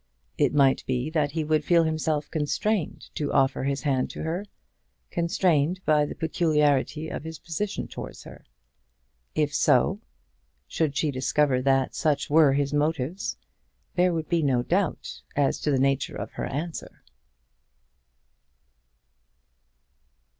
It might be that he would feel himself constrained to offer his hand to her constrained by the peculiarity of his position towards her. If so should she discover that such were his motives there would be no doubt as to the nature of her answer.